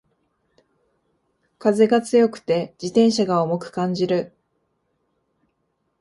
風が強くて自転車が重く感じる